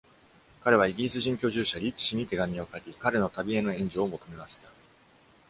彼はイギリス人居住者リッチ氏に手紙を書き、彼の旅への援助を求めました。